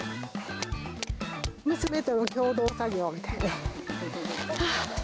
娘との共同作業みたいな。